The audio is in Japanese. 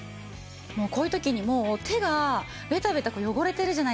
こういう時にもう手がベタベタ汚れてるじゃないですか。